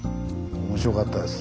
面白かったです。